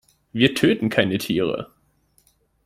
Wir töten keine Tiere.